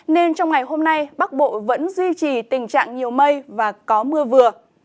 nên trong ngày hôm nay bắc bộ vẫn duy trì tình trạng nhiều mây và có mưa vừa